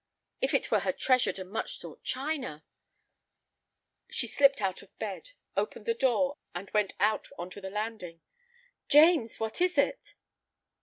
If it were her treasured and much sought china! She slipped out of bed, opened the door, and went out on to the landing. "James, what is it?"